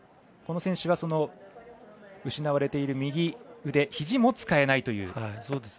この選手は、失われている右腕ひじも使えないという。